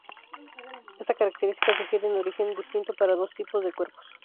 Esta característica sugiere un origen distinto para los dos tipos de cuerpos.